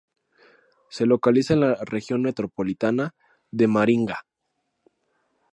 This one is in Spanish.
Se localiza en la Región Metropolitana de Maringá.